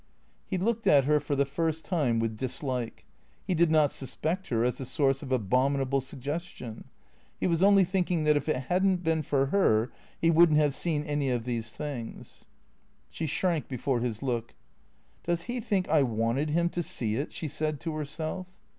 He looked at her for the first time with dislike. He did not suspect her as the source of abominable suggestion. He was only thinking that if it had n't been for her he would n't have seen any of these things. She shrank before his look. "Does he think I wanted him to see it ?" she said to herself.